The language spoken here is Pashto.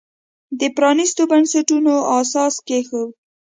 د پرانیستو بنسټونو اساس کېښود.